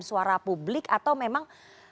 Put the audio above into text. suara publik atau memang